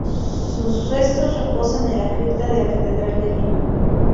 Sus restos reposan en la cripta de la Catedral de Lima.